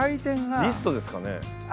リストですかね？